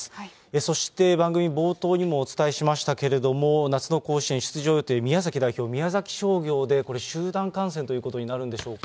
そして番組冒頭にもお伝えしましたけれども、夏の甲子園出場予定、宮崎代表、宮崎商業でこれ、集団感染ということになるんでしょうか。